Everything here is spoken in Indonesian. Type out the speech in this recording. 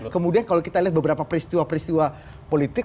kemudian kalau kita lihat beberapa peristiwa peristiwa politik